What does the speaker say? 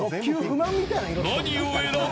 何を選ぶ。